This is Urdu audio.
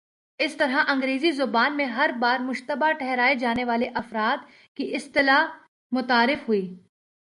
اس طرح انگریزی زبان میں ''ہر بار مشتبہ ٹھہرائے جانے والے افراد "کی اصطلاح متعارف ہوئی۔